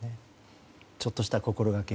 ちょっとした心がけ